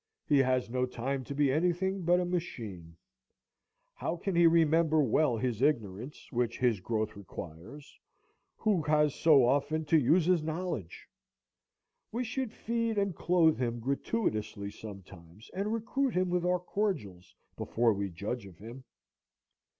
He has no time to be anything but a machine. How can he remember well his ignorance—which his growth requires—who has so often to use his knowledge? We should feed and clothe him gratuitously sometimes, and recruit him with our cordials, before we judge of him.